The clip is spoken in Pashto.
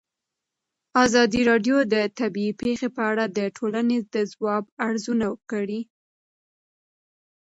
ازادي راډیو د طبیعي پېښې په اړه د ټولنې د ځواب ارزونه کړې.